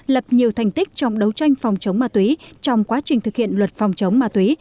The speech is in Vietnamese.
lập nhiều thành tích trong đấu tranh phòng chống ma túy trong quá trình thực hiện luật phòng chống ma túy